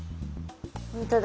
本当だ。